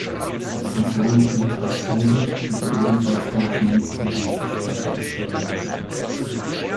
Dessen Sohn Niklas Unger wurde ebenfalls Goldschmied und ließ sich später in Köln nieder.